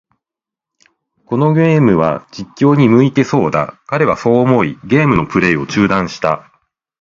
このゲームは、実況に向いてそうだ。彼はそう思い、ゲームのプレイを中断した。